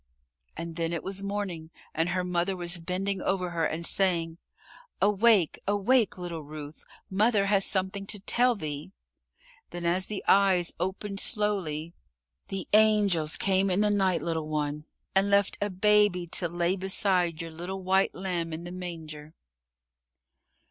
And then it was morning and her mother was bending over her and saying, "Awake, awake, little Ruth. Mother has something to tell thee." Then as the eyes opened slowly "The angels came in the night, little one, and left a Baby to lay beside your little white lamb in the manger."